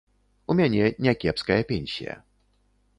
У мяне някепская пенсія.